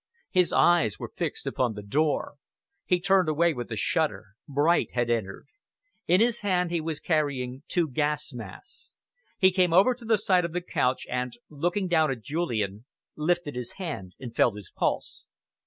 His eyes were fixed upon the door. He turned away with a shudder. Bright had entered. In his hand he was carrying two gas masks. He came over to the side of the couch, and, looking down at Julian, lifted his hand, and felt his pulse.